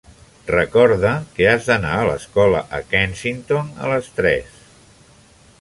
Recorda que has d'anar a l'escola en Kensington a les tres.